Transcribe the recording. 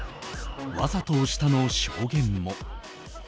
わざと押したの証言も。